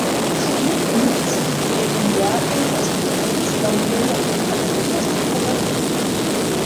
Schubin bemühte sich in ihren Werken, das friedliche Zusammenleben der Völker Europas zu propagieren.